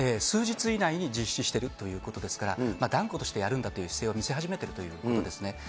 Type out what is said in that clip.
数日以内に実施しているということですから、断固としてやるんだという姿勢を見せ始めているということなんですね。